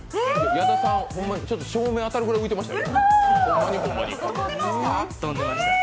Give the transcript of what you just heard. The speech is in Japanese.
矢田さん、照明当たるぐらい浮いてましたよ。